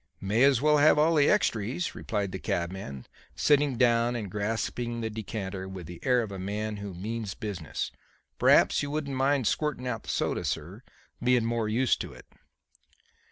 "May as well have all the extries," replied the cabman, sitting down and grasping the decanter with the air of a man who means business. "Per'aps you wouldn't mind squirtin' out the soda, sir, bein' more used to it."